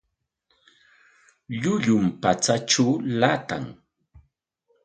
Llullum patsatraw llaatan.